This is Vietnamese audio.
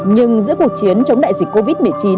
nhưng giữa cuộc chiến chống đại dịch covid một mươi chín